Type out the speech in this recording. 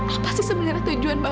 apa sih sebenarnya tujuan bapak